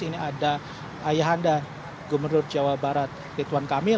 ini ada ayahanda gubernur jawa barat rituan kamil